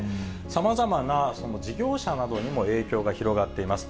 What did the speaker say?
さまざまな事業者などにも影響が広がっています。